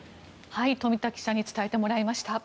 冨田記者に伝えてもらいました。